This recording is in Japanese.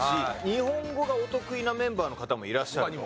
日本語がお得意なメンバーの方もいらっしゃると。